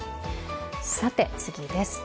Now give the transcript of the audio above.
さて次です。